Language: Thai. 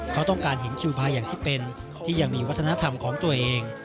เขาต้องการเห็นคิวพาอย่างที่เป็นที่ยังมีวัฒนธรรมของตัวเอง